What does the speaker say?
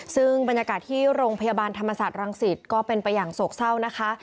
ซึ่งบรรยากาศที่โรงพยาบาลธรรมศาสตร์รังสิตก็เป็นไปอย่างโศกเศร้านะคะ